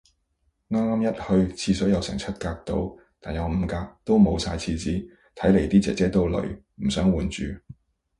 啱啱一去，廁所有成七格到。但有五格，都冇晒廁紙，睇嚟啲姐姐都累，唔想換住